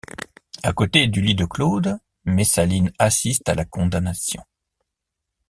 À côté du lit de Claude, Messaline assiste à la condamnation.